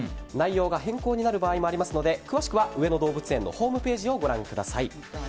内容が変更になる場合もありますので詳しくは上野動物園のホームページをご覧ください。